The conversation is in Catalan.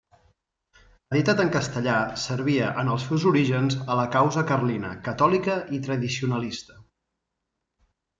Editat en castellà, servia, en els seus orígens, a la causa carlina, catòlica i tradicionalista.